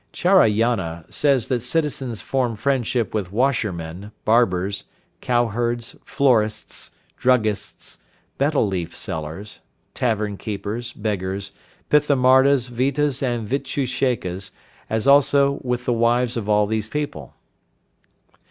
Charayana says that citizens form friendship with washermen, barbers, cowherds, florists, druggists, betel leaf sellers, tavern keepers, beggars, Pithamardas, Vitas and Vidushekas, as also with the wives of all these people.